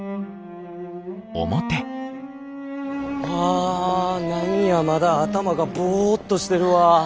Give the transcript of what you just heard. あ何やまだ頭がぼっとしてるわ。